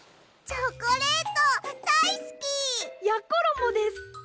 チョコレートだいすき！やころもです。